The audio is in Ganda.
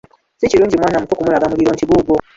Si kirungi mwana muto kumulaga muliro nti guugwo.